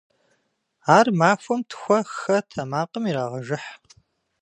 Ар махуэм тхуэ-хэ тэмакъым ирагъэжыхь.